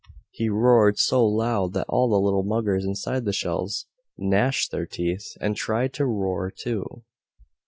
He roared so loud that all the little muggers inside the shells gnashed their teeth, and tried to roar too.